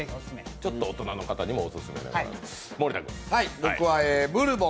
ちょっと大人の方にもオススメでございます。